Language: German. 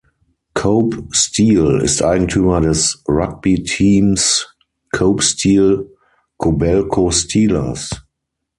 Kobe Steel ist Eigentümer des Rugby-Teams Kobe Steel Kobelco Steelers.